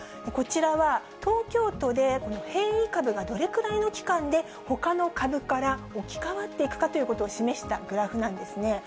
こちらは、東京都でこの変異株がどれくらいの期間で、ほかの株から置き換わっていくかということを示したグラフなんですね。